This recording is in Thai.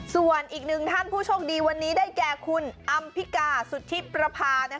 ส่วนอีกหนึ่งท่านผู้โชคดีวันนี้ได้แก่คุณอำพิกาสุทธิประพา